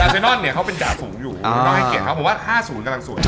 เซนอลโน่นเนี่ยเขาเป็นจ่าฝูงอยู่นองให้เกียรติเขาผมว่า๕๐กำลังศูนย์